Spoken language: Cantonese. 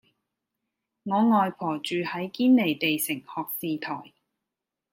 我外婆住喺堅尼地城學士臺